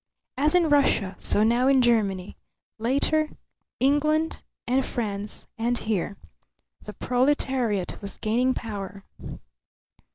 As in Russia, so now in Germany; later, England and France and here. The proletariat was gaining power.